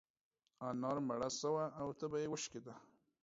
انا مړه سوه او تبه يې وشکيده.